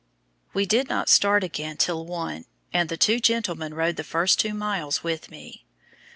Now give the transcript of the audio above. We did not start again till one, and the two gentlemen rode the first two miles with me.